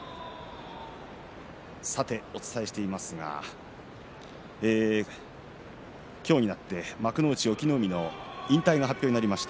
お伝えしていますが今日になって幕内隠岐の海の引退が発表になりました。